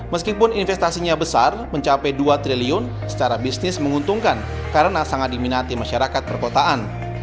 meskipun investasinya besar mencapai dua triliun secara bisnis menguntungkan karena sangat diminati masyarakat perkotaan